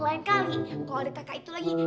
lain kali kalau ada kakak itu lagi